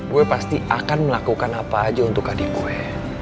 gue pasti akan melakukan apa aja untuk adik gue